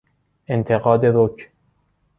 انتقاد رک